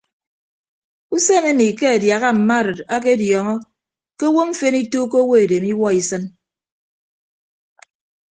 Usen emi ke adiaha mma arịd akediọọñọ ke owo mfen ituuko owo edem iwuọ isịn.